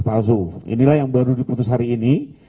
palsu inilah yang baru diputus hari ini